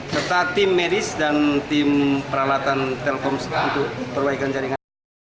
serta tim medis dan tim peralatan telkom untuk perbaikan jaringan